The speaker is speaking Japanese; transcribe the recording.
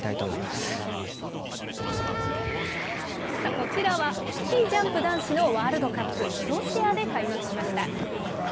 こちらはスキージャンプ男子のワールドカップ、ロシアで開幕しました。